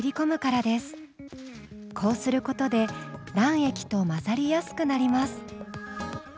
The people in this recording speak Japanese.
こうすることで卵液と混ざりやすくなります。